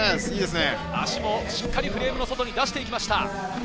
足をしっかりフレームの外に出していきました。